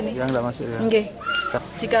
yang tidak masuk ya